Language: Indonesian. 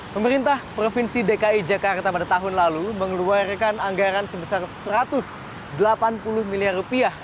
pemerintah provinsi dki jakarta pada tahun lalu mengeluarkan anggaran sebesar satu ratus delapan puluh miliar rupiah